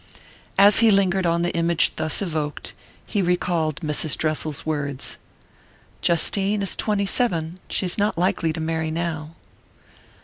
As he lingered on the image thus evoked, he recalled Mrs. Dressel's words: "Justine is twenty seven she's not likely to marry now."